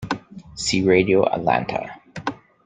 See Radio Atlanta.